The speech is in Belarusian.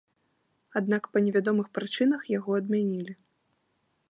Аднак па невядомых прычынах яго адмянілі.